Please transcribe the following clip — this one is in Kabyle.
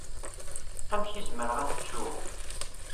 Amek i zemreɣ ad t-ttuɣ?